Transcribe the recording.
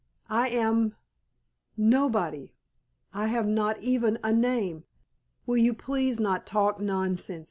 I am nobody. I have not even a name." "Will you please not talk nonsense?"